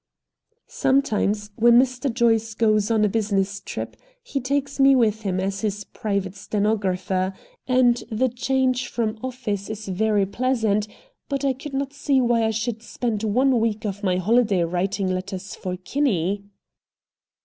Sometimes, when Mr. Joyce goes on a business trip, he takes me with him as his private stenographer, and the change from office work is very pleasant; but I could not see why I should spend one week of my holiday writing letters for Kinney.